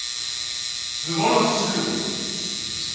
すばらしゅうございます。